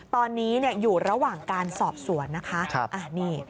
ตอนนี้อยู่ระหว่างการสอบสวนนะคะ